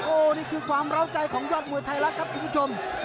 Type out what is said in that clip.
โอ้โหนี่คือความเล้าใจของยอดมวยไทยรัฐครับคุณผู้ชม